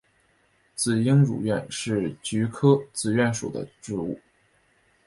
紫缨乳菀是菊科紫菀属的植物。